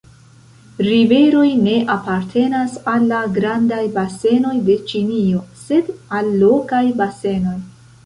Riveroj ne apartenas al la grandaj basenoj de Ĉinio, sed al lokaj basenoj.